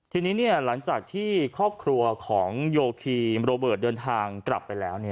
ทีนี้หลังจากที่ครอบครัวของโยคีมโรเบิร์ตเดินทางกลับไปแล้ว